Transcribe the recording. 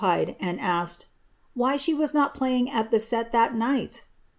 pied, and asked ^ why she was not playing at basset that night